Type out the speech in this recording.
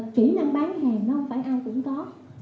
kỹ năng bán hàng không phải ai cũng có